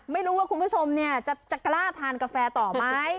ไม่รู้ว่าคุณผู้ชมเนี่ยจะกล้าทานกาแฟต่อไหม